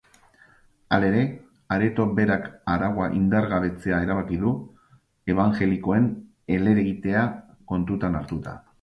Halere, areto berak araua indargabetzea erabaki du, ebanjelikoen helegitea kontuan hartuta.